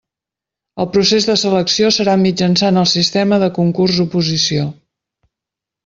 El procés de selecció serà mitjançant el sistema de concurs-oposició.